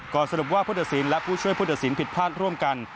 ก่อนสรุปว่าพระพุทธศิลป์และผู้ช่วยพุทธศิลป์ผิดพลาดร่วมกัน